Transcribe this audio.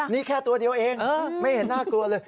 นี่แค่ตัวเดียวเองไม่เห็นน่ากลัวเลย